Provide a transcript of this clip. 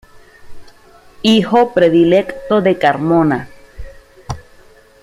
Hijo Predilecto de Carmona.